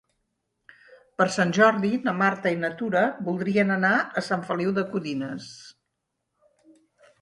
Per Sant Jordi na Marta i na Tura voldrien anar a Sant Feliu de Codines.